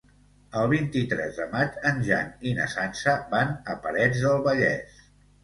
El vint-i-tres de maig en Jan i na Sança van a Parets del Vallès.